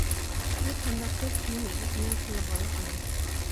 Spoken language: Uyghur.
بۇ قانداقتۇر تېما ئىگىسىنى تىللىغانلىق ئەمەس.